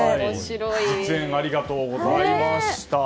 実演ありがとうございました。